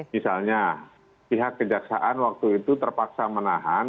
misalnya pihak kejaksaan waktu itu terpaksa menahan